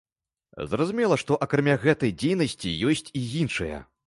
Зразумела, што акрамя гэтай дзейнасці ёсць і іншая.